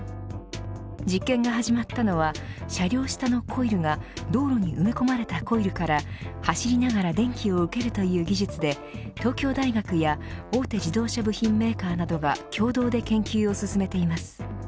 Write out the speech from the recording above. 実験が始まったのは車両下のコイルが道路に埋め込まれたコイルから走りながら電気を受けるという技術で東京大学や大手自動車部品メーカーなどが共同で研究を進めています。